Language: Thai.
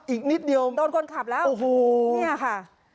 อีกนิดเดียวโดนคนขับแล้วโอ้โหเนี่ยค่ะ